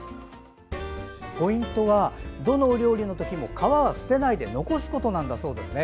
ポイントはどのお料理のときも皮を捨てないで残すことなんだそうです。